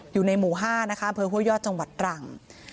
อยู่ในหมู่๕เพื่อหัวยอดจังหวัดตรัง